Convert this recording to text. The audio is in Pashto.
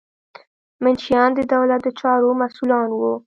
منشیان د دولت د چارو مسؤلان وو.